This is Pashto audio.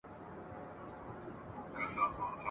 ظریف خان ته ګوره او تاوان ته یې ګوره !.